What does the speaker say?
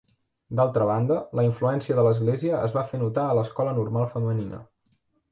D’altra banda, la influència de l’església es va fer notar a l’Escola Normal Femenina.